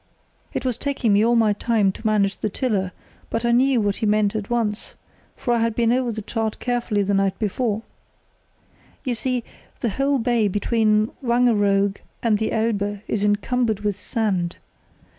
"It was taking me all my time to manage the tiller, but I knew what he meant at once, for I had been over the chart carefully the night before. [See Map A] You see, the whole bay between Wangeroog and the Elbe is encumbered with sand.